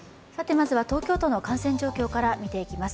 まずは東京都の感染状況から見ていきます。